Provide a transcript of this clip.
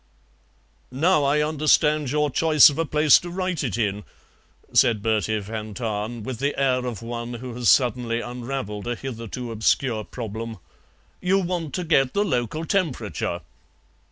"Now I understand your choice of a place to write it in," said Bertie van Tahn, with the air of one who has suddenly unravelled a hitherto obscure problem; "you want to get the local temperature."